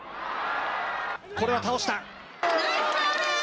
これは倒した。